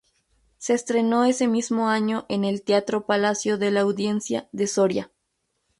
Se estrenó ese mismo año en el Teatro Palacio de la Audiencia de Soria.